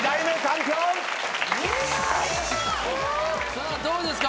さあどうですか？